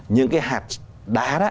những cái hạt đá đó